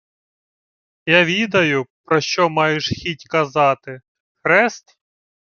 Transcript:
— Я відаю, про що маєш хіть казати: хрест?